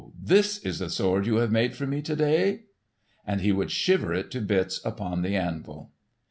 this is the sword you have made for me to day!" And he would shiver it to bits upon the anvil.